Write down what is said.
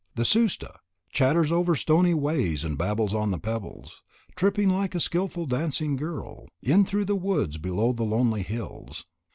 The Susta "chatters over stony ways and babbles on the pebbles," tripping, like a skilful dancing girl, in through the woods below the lonely hills.